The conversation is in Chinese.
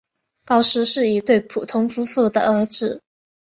高斯是一对普通夫妇的儿子。